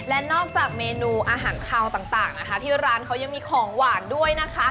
และนอกจากเมนูอาหารคาวต่างนะคะที่ร้านเขายังมีของหวานด้วยนะคะ